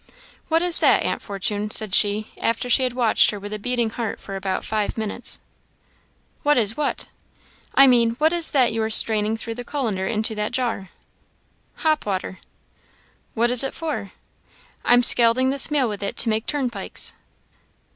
"What is that, Aunt Fortune?" said she, after she had watched her with a beating heart for about five minutes. "What is what?" "I mean, what is that you are straining through the colander into that jar?" "Hop water." "What is it for?" "I'm scalding this meal with it to make turnpikes."